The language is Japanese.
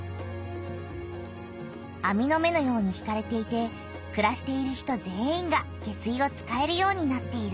あみの目のように引かれていてくらしている人全員が下水を使えるようになっている。